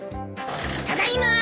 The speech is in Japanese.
ただいまー！